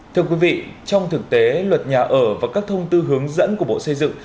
thưa quý vị trong thực tế luật nhà ở và các thông tư hướng dẫn của bộ xây dựng